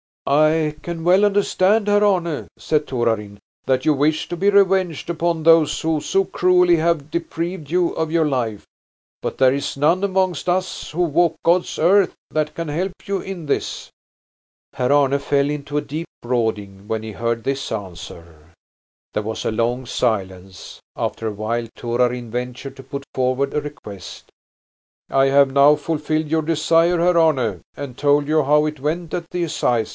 "I can well understand, Herr Arne," said Torarin, "that you wish to be revenged upon those who so cruelly have deprived you of your life. But there is none amongst us who walk God's earth that can help you in this." Herr Arne fell into a deep brooding when he heard this answer. There was a long silence. After a while Torarin ventured to put forward a request. "I have now fulfilled your desire, Herr Arne, and told you how it went at the assize.